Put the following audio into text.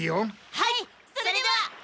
はいそれでは！